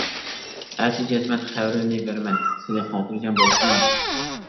ئەتە جەزمەن خەۋىرىنى بېرىمەن، سىلى خاتىرجەم بولسىلا.